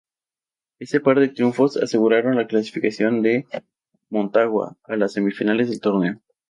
Ese par de triunfos aseguraron la clasificación de Motagua a las semifinales del torneo.